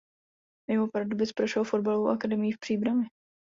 Mimo Pardubic prošel fotbalovou akademií v Příbrami.